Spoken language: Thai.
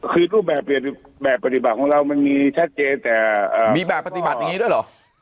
คือรูปแบบปฏิบัติของเรามันมีชัดเจนแต่มีแบบปฏิบัติอย่างนี้ด้วยเหรอ